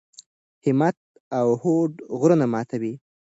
همت او هوډ غرونه ماتوي.